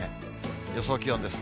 予想気温です。